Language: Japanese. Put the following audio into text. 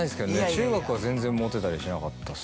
中学は全然モテたりしなかったっすね。